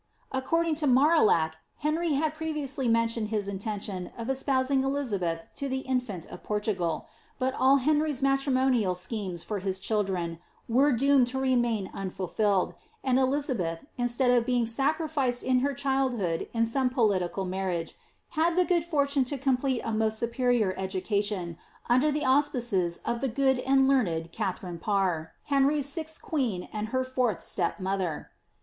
According to Marillac, Henry ^ previously mentioned his intention of espousing Elizabeth to an iont of Portugal, but all Henry's matrimonial schemes for his children vere doomed to remain unfulfilled, and Elizabeth, instead of being sacri i:ed in her childhooc] in some political marriage, had the good fortune "^I^a. ~"" ~*lLeti'8 Elizabeth. Paper MS. See Memoir of Mary, vol. v. 16 SLIIABBTH. to complete a moet superior education under the auspices of the good and learned Katharine Parr, Henry's sixth queen and her fourth step mother.